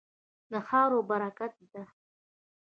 دا خاوره برکتي ده.